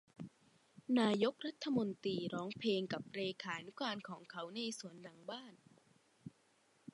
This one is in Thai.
นายกรัฐมนตรีร้องเพลงกับเลขานุการของเขาในสวนหลังบ้าน